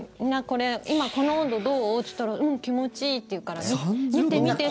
これ、今この温度どう？って言ったらうん、気持ちいいって言うから見て見て！